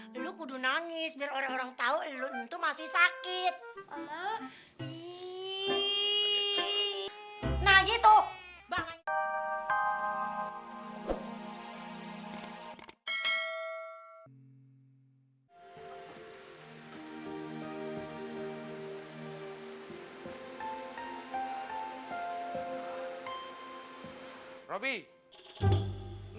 lu kudu nangis biar orang orang tau lu itu masih sakit